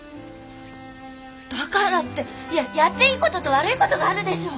だからってややっていい事と悪い事があるでしょう！